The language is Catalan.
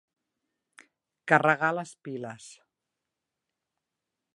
Carregar les piles.